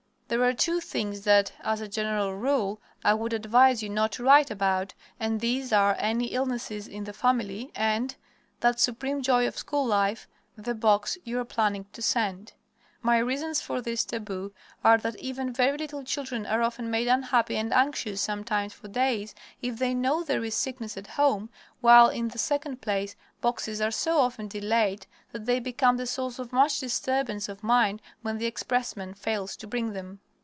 There are two things that, as a general rule, I would advise you not to write about, and these are any illnesses in the family and that supreme joy of school life the box you are planning to send. My reasons for this taboo are that even very little children are often made unhappy and anxious, sometimes for days, if they know there is sickness at home, while in the second place boxes are so often delayed that they become the source of much disturbance of mind when the expressman fails to bring them.